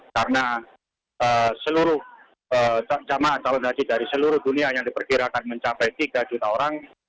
karena seluruh jemaah calon haji dari seluruh dunia yang diperkirakan mencapai tiga juta orang